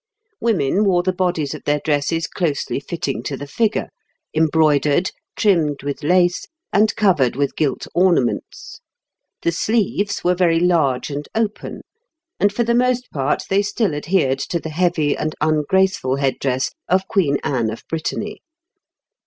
Women wore the bodies of their dresses closely fitting to the figure, embroidered, trimmed with lace, and covered with gilt ornaments; the sleeves were very large and open, and for the most part they still adhered to the heavy and ungraceful head dress of Queen Anne of Brittany.